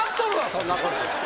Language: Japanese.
そんなこと。